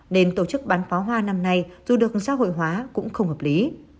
nên tổ chức bán pháo hoa năm nay dù được xã hội hóa cũng không hợp lý